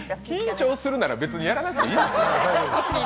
緊張するなら別にやらなくていい。